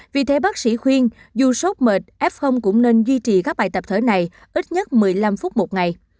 vì thế bác sĩ khuyên dù sốt mệt f cũng nên duy trì các bài tập thở này ít nhất một mươi năm phút một ngày